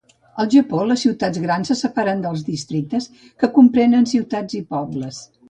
Al Japó, les ciutats grans se separen dels districtes, que comprenen ciutats i pobles.